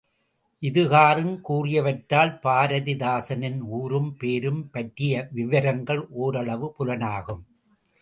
இது காறுங் கூறியவற்றால், பாரதிதாசனின் ஊரும் பேரும் பற்றிய விவரங்கள் ஓரளவு புலனாகும்.